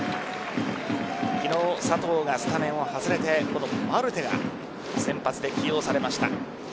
昨日、佐藤がスタメンを外れてマルテが先発で起用されました。